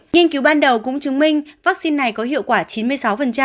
nhiên cứu ban đầu cũng chứng minh vaccine này có hiệu quả chíu